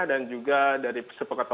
dan juga dari sepekan sepanjangnya